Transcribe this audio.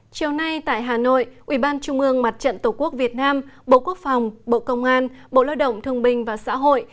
chiều nay tại hà nội ủy ban trung ương mặt trận tổ quốc việt nam bộ quốc phòng bộ công an bộ lợi động thông minh và xã hội